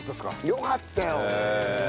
よかったよ！